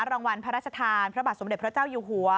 รางวัลพระราชทานพระบาทสมเด็จพระเจ้าอยู่หัว